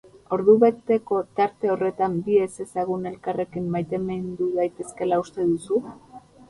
Ordubeteko tarte horretan, bi ezezagun elkarrekin maitemindu daitezkeela uste duzu?